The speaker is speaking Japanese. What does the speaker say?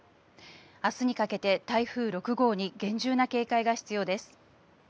明日にかけて台風６号に厳重な警戒が必要です。